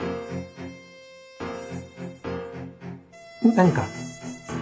・何か？